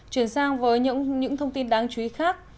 chuyển sang với những thông tin đáng chú ý khác